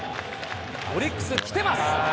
オリックスきてます。